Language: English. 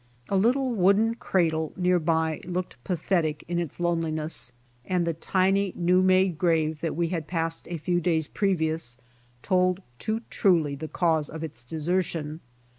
A little wooden cradle nearby looked pathetic in its loneli ness; and the tiny new made grave that we had passed a few days previous told too truly the cause of its desertion.